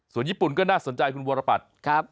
ส่วนญี่ปุ่นก็น่าสนใจคุณวรปัตย์